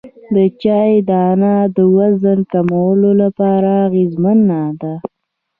د چیا دانه د وزن کمولو لپاره اغیزمنه ده